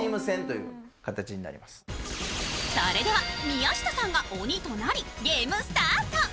それでは、宮下さんが鬼となり、ゲームスタート。